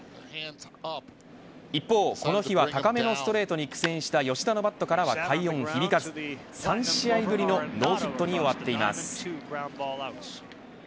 一方、この日は高めのストレートに苦戦した吉田のバットからは快音響かず３試合ぶりのノーヒットに終わっています。